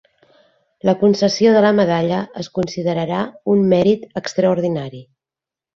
La concessió de la medalla es considerarà un mèrit extraordinari.